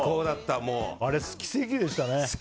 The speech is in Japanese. あれ、奇跡でしたね。